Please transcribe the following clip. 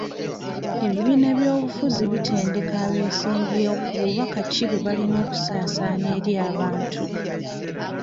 Ebibiina by'obufuzi bitendeka abesimbyewo ku bubaka ki bwe balina okusaasaanya eri abantu.